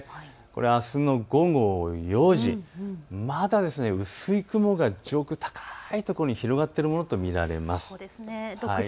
あすの午後４時、まだ薄い雲が上空高いところに広がっているものと見られます。